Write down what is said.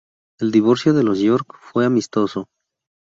El divorcio de los York fue amistoso.